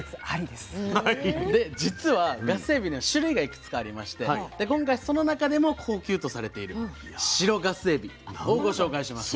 で実はガスエビには種類がいくつかありまして今回その中でも高級とされている白ガスエビをご紹介します。